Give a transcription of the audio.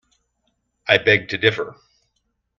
I beg to differ